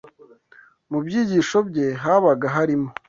Mu byigisho bye habaga harimo